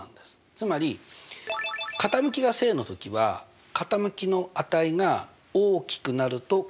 つまり傾きが正の時は傾きの値が大きくなると傾きが急になりますよね。